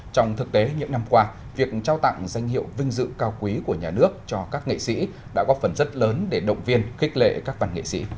trong thực tế những năm qua việc trao tặng danh hiệu vinh dự cao quý của nhà nước cho các nghệ sĩ đã góp phần rất lớn để động viên khích lệ các văn nghệ sĩ